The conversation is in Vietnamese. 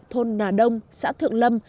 thôn nà đông xã thượng lâm